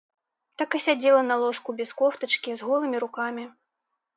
Так і сядзела на ложку без кофтачкі, з голымі рукамі.